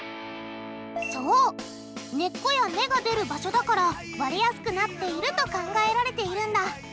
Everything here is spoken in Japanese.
そう根っこや芽が出る場所だから割れやすくなっていると考えられているんだ。